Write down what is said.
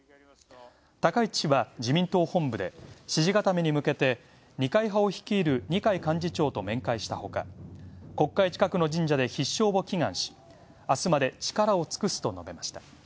高市氏は自民党本部で、支持固めに向けて二階派を率いる二階幹事長と面会したほか、国会近くの神社で必勝を祈願し、「明日まで力を尽くす」と述べました。